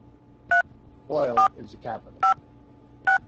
Bole is its capital.